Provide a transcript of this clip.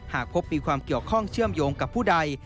หากพบมีความเกี่ยวข้องเชื่อมโยงกับผู้ใด